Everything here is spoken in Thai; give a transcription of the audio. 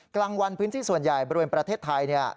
กลางวันพื้นที่ส่วนใหญ่บริเวณประเทศไทย